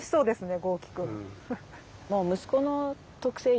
そうですね